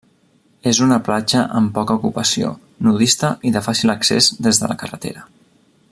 És una platja amb poca ocupació, nudista i de fàcil accés des de la carretera.